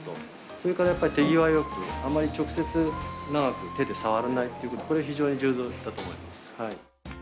それからやっぱり手際よくあんまり直接長く手で触らないっていうことこれ非常に重要だと思います。